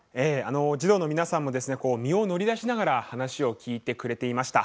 児童の皆さんも身を乗り出しながら話を聞いてくれていました。